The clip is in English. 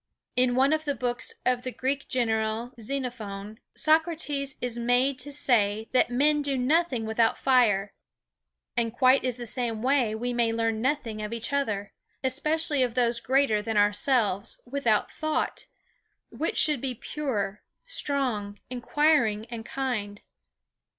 In one of the books of the Greek general, Xenophon, Socrates is made to say that men do nothing without fire; and quite in the same way we may learn nothing of each other, especially of those greater than ourselves, without thought; which should be pure, strong, inquiring, and kind.